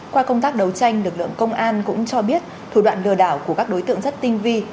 qua công tác đấu tranh lực lượng công an cũng cho biết thủ đoạn lừa đảo của các đối tượng rất tinh vi